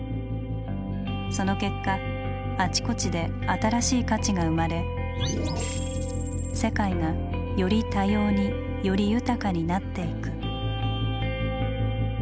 その結果あちこちで新しい価値が生まれ世界がより多様により豊かになっていく。